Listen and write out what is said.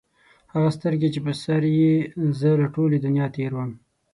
هغه سترګي چې په سر یې زه له ټولي دنیا تېر وم